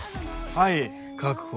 はい確保。